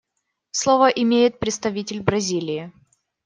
Слово имеет представитель Бразилии.